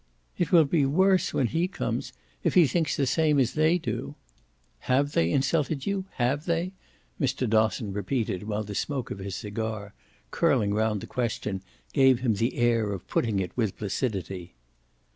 "It will be worse when he comes if he thinks the same as they do." "HAVE they insulted you have they?" Mr. Dosson repeated while the smoke of his cigar, curling round the question, gave him the air of putting it with placidity.